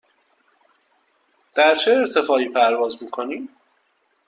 در چه ارتفاعی پرواز می کنیم؟